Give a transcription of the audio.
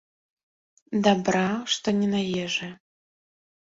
Дабра, што не на ежы.